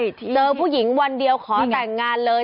เจอผู้หญิงวันเดียวขอแต่งงานเลย